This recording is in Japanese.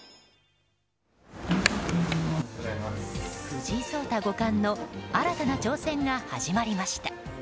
藤井聡太五冠の新たな挑戦が始まりました。